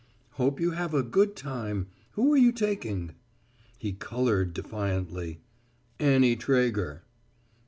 "Hope you have a good time. Who are you taking?" He colored defiantly. "Annie Traeger."